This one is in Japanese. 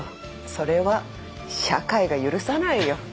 それは社会が許さないよ。